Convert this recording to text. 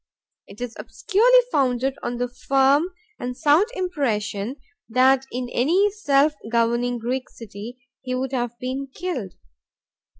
It is obscurely founded on the firm and sound impression that in any self governing Greek city he would have been killed.